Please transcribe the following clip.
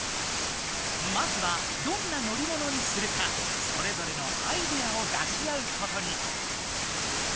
まずはどんな乗りものにするかそれぞれのアイデアを出し合うことに。